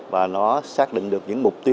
và nó xác định được những mục